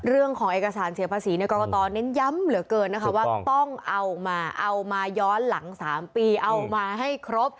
เรื่องของเอกสารเสียภาษีกรกตเน้นย้ำเหลือเกินนะคะว่าต้องเอามาเอามาย้อนหลัง๓ปีเอามาให้ครบ